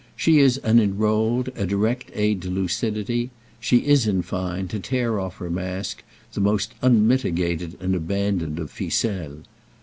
She is an enrolled, a direct, aid to lucidity; she is in fine, to tear off her mask, the most unmitigated and abandoned of ficelles.